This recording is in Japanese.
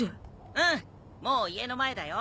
うんもう家の前だよ。